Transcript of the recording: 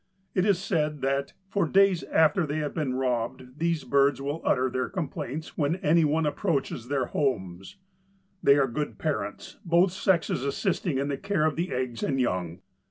It is said that "for days after they have been robbed these birds will utter their complaints when anyone approaches their homes." They are good parents, both sexes assisting in the care of the eggs and young.